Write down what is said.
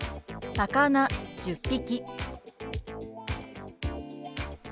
「魚１０匹」。